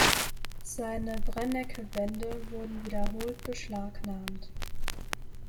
Seine Brennecke-Bände wurden wiederholt beschlagnahmt.